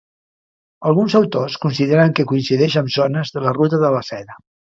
Alguns autors consideren que coincideix amb zones de la ruta de la Seda.